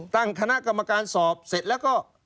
ตั้งคณะกรรมการสอบเสร็จแล้วก็